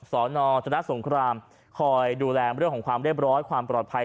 สนจนสงครามคอยดูแลเรื่องของความเรียบร้อยความปลอดภัย